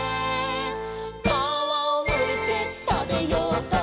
「かわをむいてたべようと」